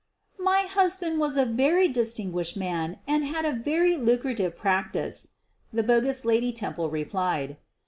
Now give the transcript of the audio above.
"My husband was a very distinguished man and had a very lucrative practice/ p the bogus Lady Temple replied.